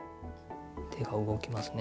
手が動きますね。